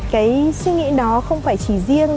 cái suy nghĩ đó không phải chỉ riêng